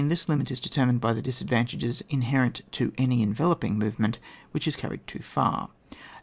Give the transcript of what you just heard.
This limit is determined by the disadvantages inherent to any envelop ing movement which is carried too far (Nos.